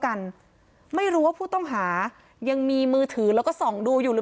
กันไม่รู้ว่าผู้ต้องหายังมีมือถือแล้วก็ส่องดูอยู่หรือ